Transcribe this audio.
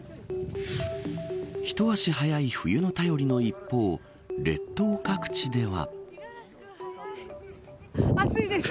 一足早い、冬の便りの一方列島各地では。